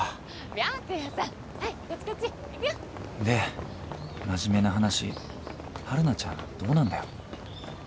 で真面目な話晴汝ちゃんどうなんだよ？